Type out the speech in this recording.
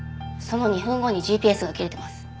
その２分後にＧＰＳが切れてます。